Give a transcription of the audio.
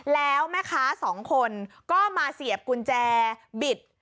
แล้วแม่ค้าสองคนก็มาเสียบกุญแจบิด